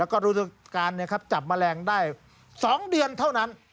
แล้วก็ดูการจับแมลงได้๒เดือนเท่านั้น